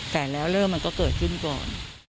แต่แล้วเรื่องมันก็เกิดขึ้นก่อน